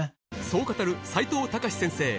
そう語る齋藤孝先生